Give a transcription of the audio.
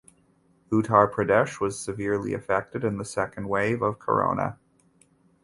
Uttar Pradesh was severely affected in the second wave of Corona.